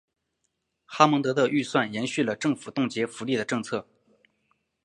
哈蒙德的预算延续了政府冻结福利的政策。